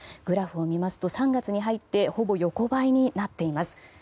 グラフを見ますと３月に入ってほぼ横ばいになっています。